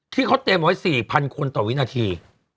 ที่เขาเตรียมไว้๔๐๐คนต่อวินาที